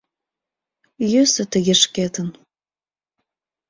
Йӧсӧ тыге шкетын...